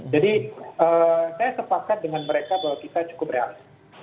jadi saya sepakat dengan mereka bahwa kita cukup realistik